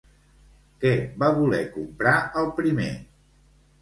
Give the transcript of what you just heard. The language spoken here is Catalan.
Què va voler comprar el primer?